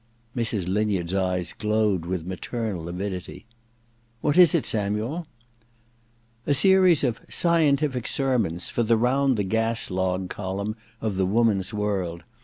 Mrs. Linyard's eyes glowed with maternal avidity. ' What is it, Samuel ?' *A series of "Scientific Sermons" for the Round the <jas Log column of The Womatis World.